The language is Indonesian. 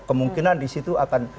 kemungkinan disitu akan